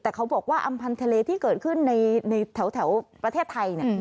แต่เขาบอกว่าอำพันธ์ทะเลที่เกิดขึ้นในแถวประเทศไทย